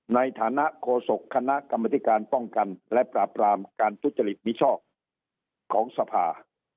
ในฐานะโฆษกคณะกรรมธิการป้องกันและปราบรามการทุจริตมิชอบของสภา